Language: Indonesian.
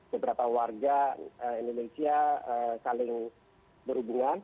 beberapa warga indonesia saling berhubungan